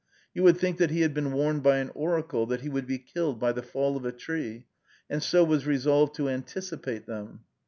You would think that he had been warned by an oracle that he would be killed by the fall of a tree, and so was resolved to anticipate them.